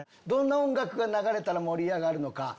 どんな音楽が流れたら盛り上がるのか